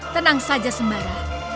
tenang saja sembara